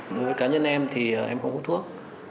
đối với cá nhân em thì em không uống thuốc